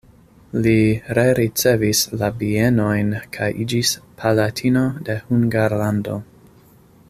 Li rericevis la bienojn kaj iĝis palatino de Hungarlando.